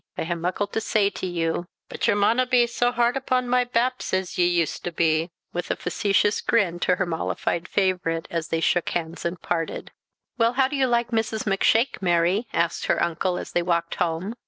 I hae muckle to say to you; but ye manna be sae hard upon my baps as ye used to be," with a facetious grin to her mollified favourite, as they shook hands and parted. "Well, how do you like Mrs. Macshake, Mary?" asked her uncle as they walked home.